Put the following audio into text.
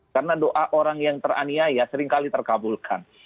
karena doa orang yang teraniaya seringkali terkabulkan